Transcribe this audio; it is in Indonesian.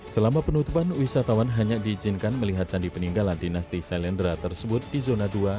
selama penutupan wisatawan hanya diizinkan melihat candi peninggalan dinasti sailendra tersebut di zona dua